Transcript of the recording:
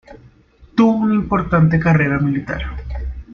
Tuvo una importante carrera militar.